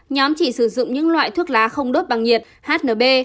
nhóm chỉ sử dụng những loại thuốc lá không đốt bằng nhiệt hnb